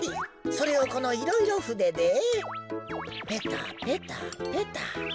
それをこのいろいろふででペタペタペタと。